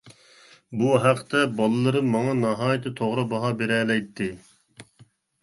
بۇ ھەقتە بالىلىرىم ماڭا ناھايىتى توغرا باھا بېرەلەيتتى.